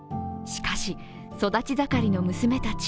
しかし、育ち盛りの娘たち。